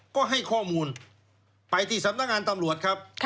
ก็ให้ข้อมูลไปที่สำนักงานตำรวจครับ